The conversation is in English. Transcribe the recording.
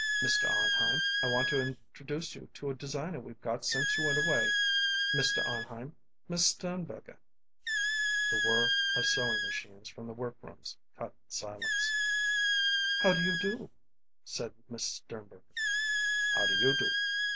"Mr. Arnheim, I want to introduce you to a designer we've got since you went away. Mr. Arnheim Miss Sternberger." The whir of sewing machines from the workrooms cut the silence. "How do you do?" said Miss Sternberger. "How do you do?"